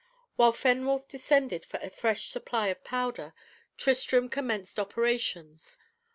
While Fenwolf descended for a fresh supply of powder, Tristram commenced operations.